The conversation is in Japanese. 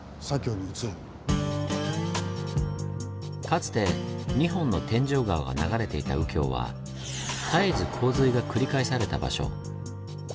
かつて２本の天井川が流れていた右京は絶えず洪水が繰り返された場所。